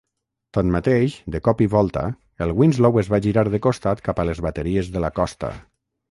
Tanmateix, de cop i volta, el Winslow es va girar de costat cap a les bateries de la costa.